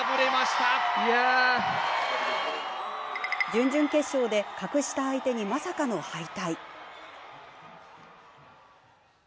準々決勝で格下相手に、まさかの敗退。